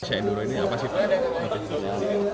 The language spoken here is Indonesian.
indonesia enduro ini apa sih